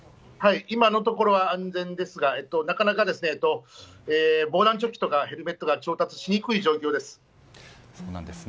今のところは安全ですがなかなか防弾チョッキとかヘルメットが調達しにくい状況です。